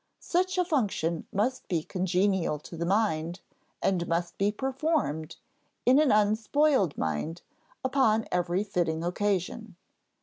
Such a function must be congenial to the mind, and must be performed, in an unspoiled mind, upon every fitting occasion.